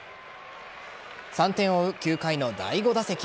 ３点を追う９回の第５打席。